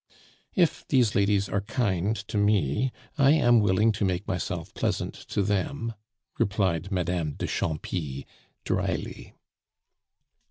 "If these ladies are kind to me, I am willing to make myself pleasant to them," replied Madame de Champy drily.